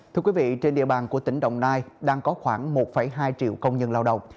thưa quý vị trên địa bàn của tỉnh đồng nai đang có khoảng một hai triệu công nhân lao động